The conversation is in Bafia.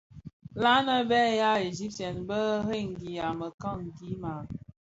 La nnë bë ya Egypten bë rëňgya mekani maa?